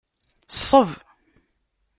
Ṣṣeb!